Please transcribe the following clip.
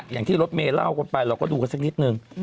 อย่างที่รถเมย์เล่ากันไปเราก็ดูกันสักนิดนึง